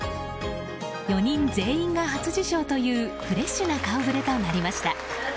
４人全員が初受賞というフレッシュな顔ぶれとなりました。